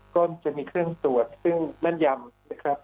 ก็จะมีเครื่องตรวจซึ่งแม่นยำนะครับ